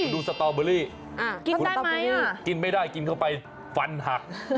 ดูสตอเบอร์รี่กินได้ไหมอ่ะกินไม่ได้กินเข้าไปฝันหัก